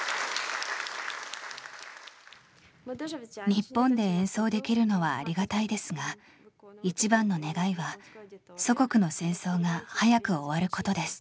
日本で演奏できるのはありがたいですが一番の願いは祖国の戦争が早く終わることです。